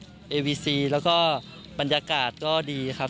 เอวีซีแล้วก็บรรยากาศก็ดีครับ